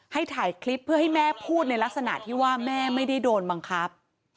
ถ่ายคลิปเพื่อให้แม่พูดในลักษณะที่ว่าแม่ไม่ได้โดนบังคับ